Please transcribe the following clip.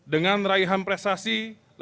dengan raihan prestasi